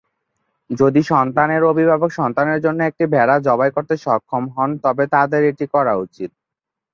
যদি সন্তানের অভিভাবক সন্তানের জন্য একটি ভেড়া জবাই করতে সক্ষম হন তবে তাদের এটি করা উচিত।